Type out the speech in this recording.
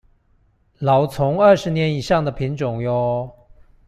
老欉二十年以上的品種唷